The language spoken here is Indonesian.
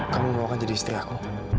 kamu mau kan jadi istri aku